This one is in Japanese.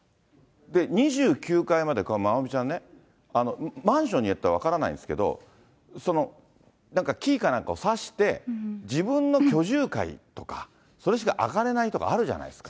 ２９階まで、まおみちゃんね、マンションによっては分からないですけど、なんかキーかなんかを差して、自分の居住階とか、それしか上がれないとかあるじゃないですか。